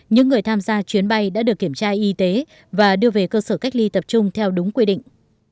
những người tham gia chuyến bay đã được kiểm tra y tế và đưa về cơ sở cách ly tập trung theo đúng quy định